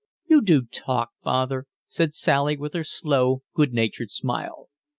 "You do talk, father," said Sally, with her slow, good natured smile.